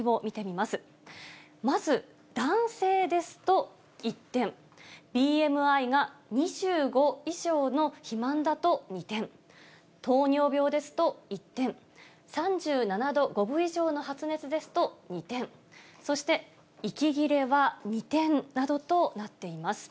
まず男性ですと１点、ＢＭＩが２５以上の肥満だと２点、糖尿病ですと１点、３７度５分以上の発熱ですと２点、そして息切れは２点などとなっています。